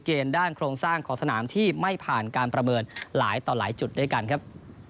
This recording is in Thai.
ด้านโครงสร้างของสนามที่ไม่ผ่านการประเมินหลายต่อหลายจุดด้วยกันครับ